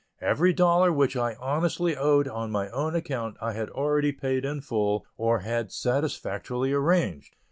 Every dollar which I honestly owed on my own account I had already paid in full or had satisfactorily arranged.